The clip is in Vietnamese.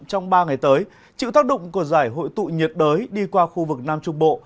trong ba ngày tới chịu tác động của giải hội tụ nhiệt đới đi qua khu vực nam trung bộ